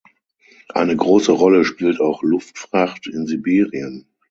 Eine große Rolle spielt auch Luftfracht in Sibirien.